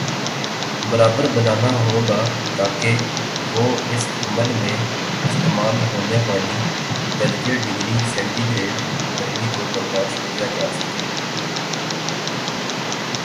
برابر بنانا ہوگا تاکہ وہ اس عمل میں استعمال ہونے والی درجے ڈگری سینٹی گریڈگرمی کو برداشت کیا جا سکے